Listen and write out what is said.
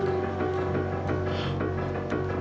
kenapa ini tidak ada wilderness